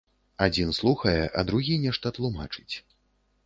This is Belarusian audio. Адзін слухае, а другі нешта тлумачыць.